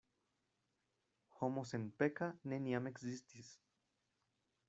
Homo senpeka neniam ekzistis.